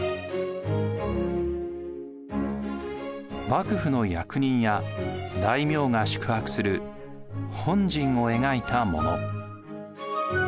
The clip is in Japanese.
幕府の役人や大名が宿泊する本陣を描いたもの。